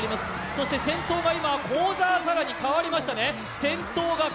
そして先頭が今、幸澤沙良にかわりましたね。